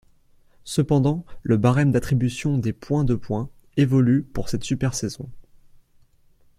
Cependant, le barème d'attribution des points de points évolue pour cette super saison.